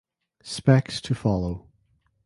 Specs to follow.